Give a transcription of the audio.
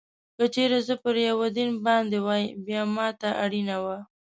که چېرې زه پر یوه دین باندې وای، بیا ما ته اړینه وه.